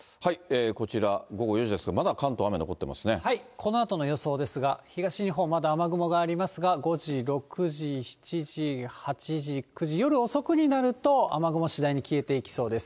このあとの予想ですが、東日本、まだ雨雲がありますが、５時、６時、７時、８時、９時、夜遅くになると、雨雲、次第に消えていきそうです。